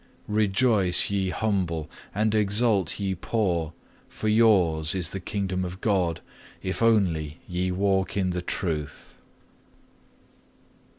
Rejoice ye humble, and exult ye poor, for yours is the kingdom of God if only ye walk in the truth.